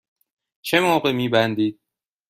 چه موقع می بندید؟